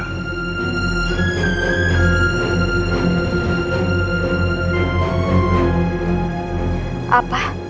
bisa mencoba untuk mencoba